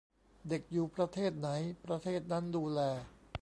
"เด็กอยู่ประเทศไหน ประเทศนั้นดูแล"